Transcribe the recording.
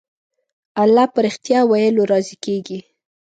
الله په رښتيا ويلو راضي کېږي.